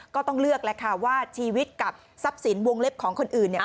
ก็ต้องเลือกแล้วค่ะว่าชีวิตกับทรัพย์สินวงเล็บของคนอื่นเนี่ย